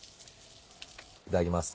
いただきます。